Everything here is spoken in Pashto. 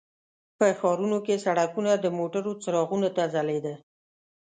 په ښارونو کې سړکونه د موټرو څراغونو ته ځلیده.